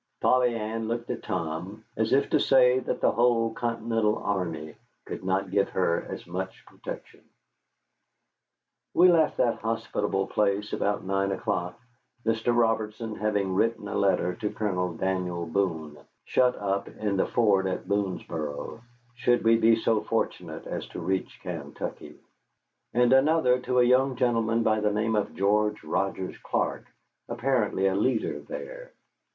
Polly Ann looked at Tom as if to say that the whole Continental Army could not give her as much protection. We left that hospitable place about nine o'clock, Mr. Robertson having written a letter to Colonel Daniel Boone, shut up in the fort at Boonesboro, should we be so fortunate as to reach Kaintuckee: and another to a young gentleman by the name of George Rogers Clark, apparently a leader there.